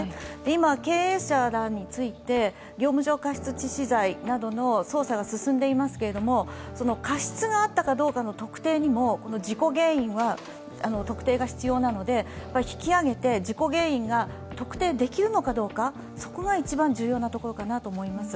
今、経営者らについて業務上過失致死罪などの捜査が進んでいますけれども、過失があったかどうかの特定にもこの事故原因は、特定が必要なので、引き揚げて事故原因が特定できるのかどうかそこが一番重要なところかなと思います。